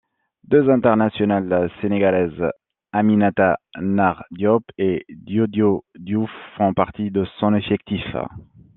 Deux internationales sénégalaises, Aminata Nar Diop et Diodio Diouf, font partie de son effectif.